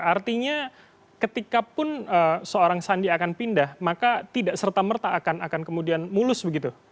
artinya ketikapun seorang sandi akan pindah maka tidak serta merta akan kemudian mulus begitu